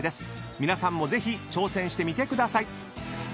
［皆さんもぜひ挑戦してみてください］